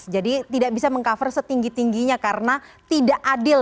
jadi tidak bisa meng cover setinggi tingginya karena tidak adil